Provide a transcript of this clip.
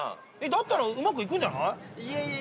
だったらうまくいくんじゃない？